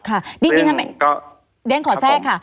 ค่ะดิฉันไม่ดิฉันขอแทรกค่ะ